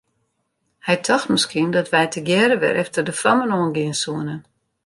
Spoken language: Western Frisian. Hy tocht miskien dat wy tegearre wer efter de fammen oan gean soene.